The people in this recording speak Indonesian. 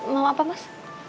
mau apa mas